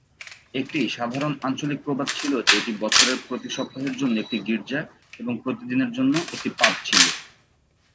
একটি সাধারণ আঞ্চলিক প্রবাদ ছিল যে এটি বছরের প্রতি সপ্তাহের জন্য একটি গির্জা এবং প্রতিদিনের জন্য একটি পাব ছিল।